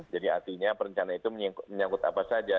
jadi artinya perencanaan itu menyangkut apa saja